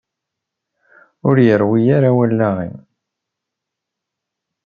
Ur yerwi ara wallaɣ-im?